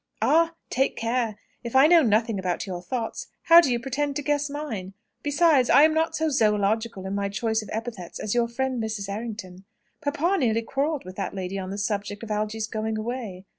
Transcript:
"Ah! take care. If I know nothing about your thoughts, how do you pretend to guess mine? Besides, I am not so zoological in my choice of epithets as your friend, Mrs. Errington. Papa nearly quarrelled with that lady on the subject of Algy's going away.